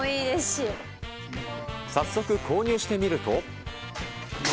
早速、購入してみると。